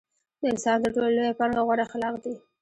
د انسان تر ټولو لويه پانګه غوره اخلاق دي.